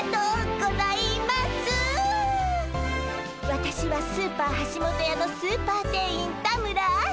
私はスーパーはしもとやのスーパー店員田村愛。